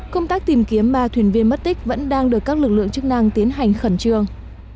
công tác tìm kiếm ba thuyền viên mất tích vẫn đang được các lực lượng chức năng tiến hành khẩn trương